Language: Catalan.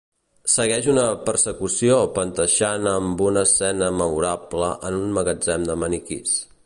Segueix una persecució panteixant amb una escena memorable en un magatzem de maniquins.